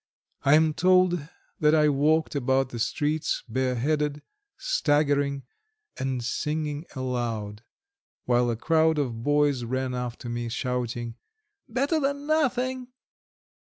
I am told that I walked about the streets bareheaded, staggering, and singing aloud, while a crowd of boys ran after me, shouting: "Better than nothing!"